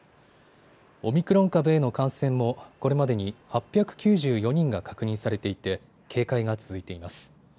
オミクロン株への感染もこれまでに８９４人が警戒が続いています。